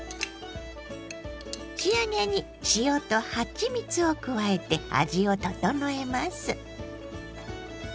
仕上げに塩とはちみつを加えて味を調えます。